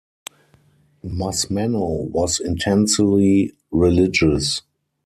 Musmanno was intensely religious.